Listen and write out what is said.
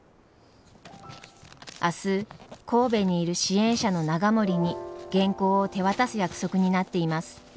明日神戸にいる支援者の永守に原稿を手渡す約束になっています。